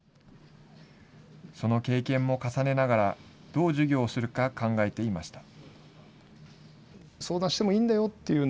その経験も重ねながらどう授業をするか考えていました。